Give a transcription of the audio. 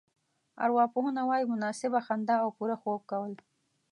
ارواپوهنه وايي مناسبه خندا او پوره خوب کول.